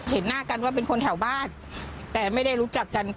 เห็นหน้ากันว่าเป็นคนแถวบ้านแต่ไม่ได้รู้จักกัน